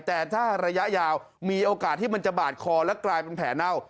แต่ถ้าระยะยาวมีโอกาสที่มันจะบาดคอและกลายเป็นแผลเน่า